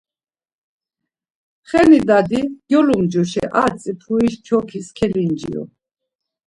Heni Dadi, gyolumcuşi ar tsipuriş kyokis kelinciru.